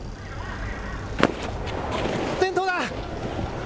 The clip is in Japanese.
転倒だ。